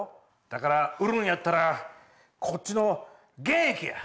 だから売るんやったらこっちの原液や！